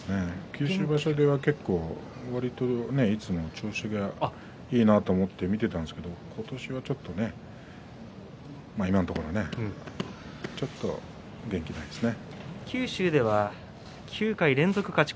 九州場所では結構わりと調子がいいなと思って見ていたんですけどね、今年はちょっと今のところ、ちょっと元気ないですね。